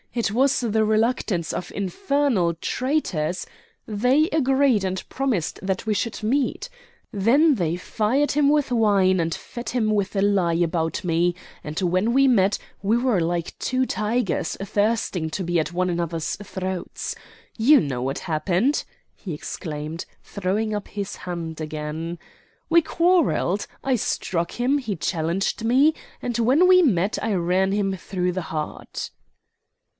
it was the reluctance of infernal traitors they agreed and promised that we should meet. Then they fired him with wine, and fed him with a lie about me; and when we met we were like two tigers thirsting to be at one another's throats. You know what happened!" he exclaimed, throwing up his hand again. "We quarrelled, I struck him, he challenged me; and when we met I ran him through the heart."